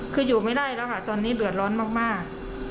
คืออยู่ไม่ได้แล้วค่ะตอนนี้เดือดร้อนมาก